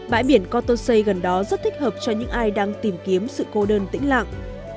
bãi biển kotosei gần đó rất thích hợp cho những ai đang tìm kiếm sự cô đơn tĩnh lặng